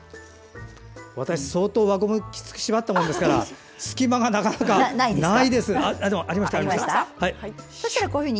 私、相当輪ゴムをきつく縛ったので隙間がなかなかないですね。